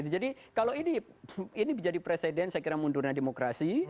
jadi kalau ini menjadi presiden saya kira mundur dengan demokrasi